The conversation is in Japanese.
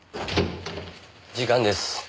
時間です。